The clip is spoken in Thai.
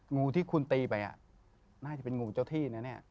งูที่คุณตีไปน่าจะเป็นงูเจ้าที่นะเนี่ย